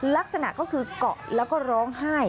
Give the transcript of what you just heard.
ลักษณะก็คือเกาะแล้วก็ร้องไห้